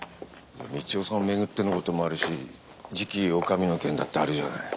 道夫さんを巡ってのこともあるし次期女将の件だってあるじゃない。